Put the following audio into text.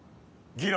ギラ！